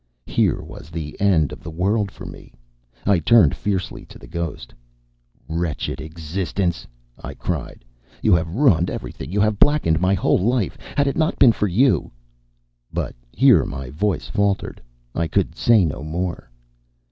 Here was the end of the world for me! I turned fiercely to the ghost. "Wretched existence!" I cried. "You have ruined everything. You have blackened my whole life. Had it not been for you " But here my voice faltered. I could say no more.